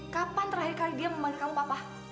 kapan terakhir kali dia memanggil kamu papa